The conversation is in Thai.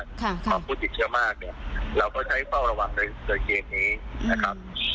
ของผู้ติดเชื้อมากเนี่ยเราก็ใช้เฝ้าระวังในเกณฑ์นี้นะครับ